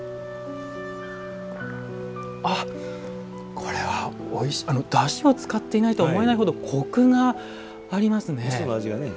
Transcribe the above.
これは、だしを使っていないとは思えないほどコクがありますね。